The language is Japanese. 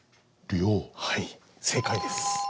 はい正解です。